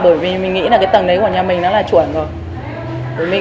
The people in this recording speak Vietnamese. bởi vì mình nghĩ là cái tầng đấy của nhà mình nó là chuẩn rồi